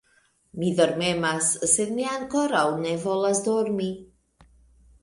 Mi dormemas, sed mi ankoraŭ ne volas dormi.